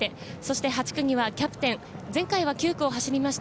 ８区にはキャプテン、今回は９区を走りました